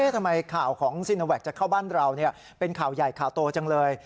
ทำไมข่าวของซีโนแวคจะเข้าบ้านเราเป็นข่าวใหญ่ข่าวโตจังเลย